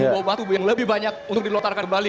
bawa batu yang lebih banyak untuk dilotarkan kembali